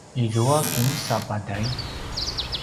izua kinsa paday?